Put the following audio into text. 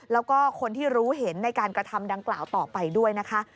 แล้วก็คนที่รู้เห็นในการกระทำดังกล่าวต่อไปด้วยนะคะ